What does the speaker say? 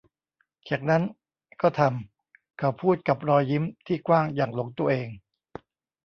จากนั้นก็ทำ เขาพูดกับรอยยิ้มที่กว้างอย่างหลงตัวเอง